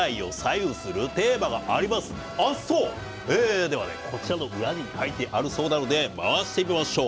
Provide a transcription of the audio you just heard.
へえではねこちらの裏に書いてあるそうなので回していきましょう。